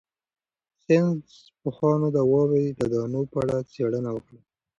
ساینس پوهانو د واورې د دانو په اړه څېړنه وکړه.